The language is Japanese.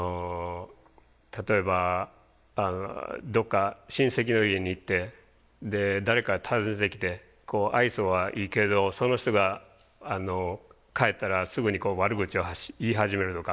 例えばどっか親戚の家に行ってで誰かが訪ねてきて愛想はいいけどその人が帰ったらすぐに悪口を言い始めるとか。